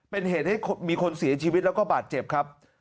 เป็นเหตุให้มีคนเสียชีวิตแล้วก็บาดเจ็บครับ